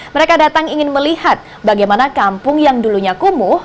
mereka datang ingin melihat bagaimana kampung yang dulunya kumuh